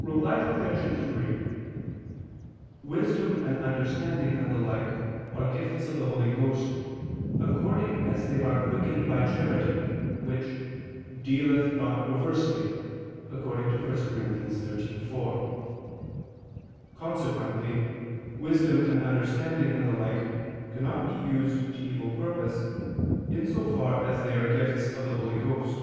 Reply Obj. 3: Wisdom and understanding and the like are gifts of the Holy Ghost, according as they are quickened by charity, which "dealeth not perversely" (1 Cor. 13:4). Consequently wisdom and understanding and the like cannot be used to evil purpose, in so far as they are gifts of the Holy Ghost.